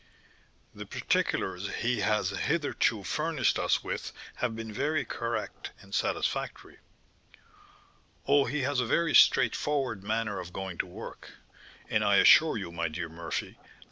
"The particulars he has hitherto furnished us with have been very correct and satisfactory." "Oh, he has a very straightforward manner of going to work! And I assure you, my dear Murphy, that M.